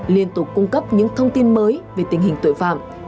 liên tục cung cấp những thông tin mới về tình hình tội phạm